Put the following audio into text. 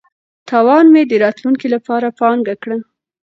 تاوان مې د راتلونکي لپاره پانګه کړه.